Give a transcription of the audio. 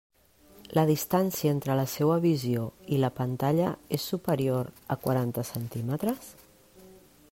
La distància entre la seua visió i la pantalla és superior a quaranta centímetres?